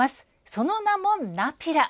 その名もナピラ。